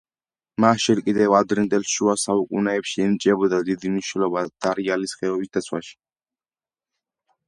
მას ჯერ კიდევ ადრინდელ შუა საუკუნეებში ენიჭებოდა დიდი მნიშვნელობა დარიალის ხეობის დაცვაში.